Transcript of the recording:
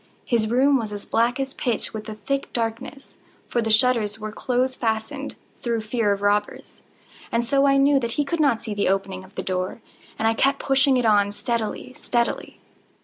His room was as black as pitch with the thick darkness, (for the shutters were close fastened, through fear of robbers,) and so I knew that he could not see the opening of the door, and I kept pushing it on steadily, steadily.